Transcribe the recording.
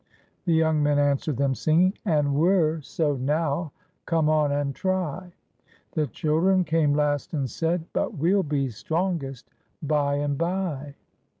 The young men answered them, singing, — "And we're so now, come on and try." The children came last and said, — "But we'll be strongest by and by."